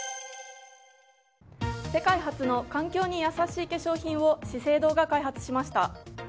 世界初の環境に優しい化粧品を資生堂が開発しました。